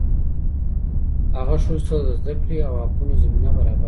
هغه ښځو ته د زده کړې او حقونو زمینه برابره کړه.